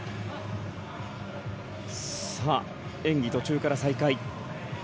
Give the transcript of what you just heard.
演技途中から再開。